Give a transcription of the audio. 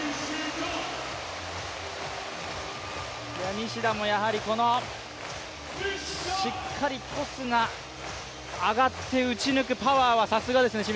西田もしっかりトスが上がって打ち抜くパワーはさすがですね。